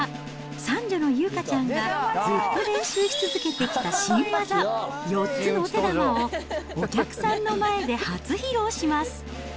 三女の有花ちゃんがずっと練習し続けてきた新技、４つのお手玉を、お客さんの前で初披露します。